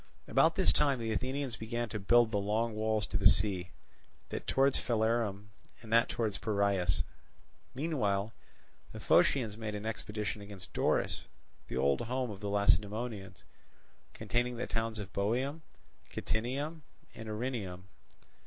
About this time the Athenians began to build the long walls to the sea, that towards Phalerum and that towards Piraeus. Meanwhile the Phocians made an expedition against Doris, the old home of the Lacedaemonians, containing the towns of Boeum, Kitinium, and Erineum.